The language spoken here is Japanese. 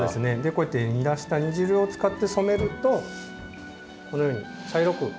こうやって煮出した煮汁を使って染めるとこのように茶色く。